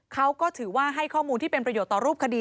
เขาก็ถือว่าให้ข้อมูลที่เป็นประโยชน์ต่อรูปคดี